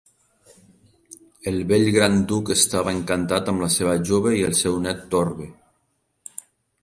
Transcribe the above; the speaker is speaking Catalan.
El vell gran duc estava encantat amb la seva jove i el seu net Torby.